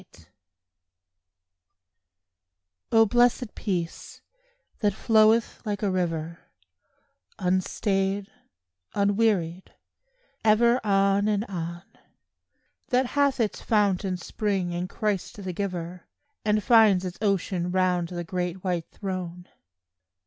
PEACE O blessed peace, that floweth like a river, Unstayed, unwearied, ever on and on; That hath its fount and spring in Christ the giver, And finds its ocean round the great white Throne.